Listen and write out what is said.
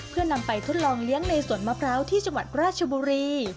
เพื่อนำไปทดลองเลี้ยงในสวนมะพร้าวที่จังหวัดราชบุรี